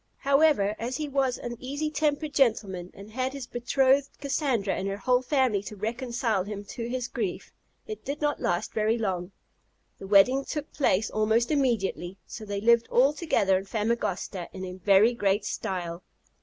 However, as he was an easy tempered gentleman, and had his betrothed Cassandra and her whole family to reconcile him to his grief, it did not last very long; the wedding took place almost immediately; so they lived all together in Famagosta, and in very great style.